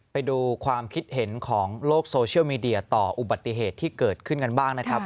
ไปดูความคิดเห็นของโลกโซเชียลมีเดียต่ออุบัติเหตุที่เกิดขึ้นกันบ้างนะครับ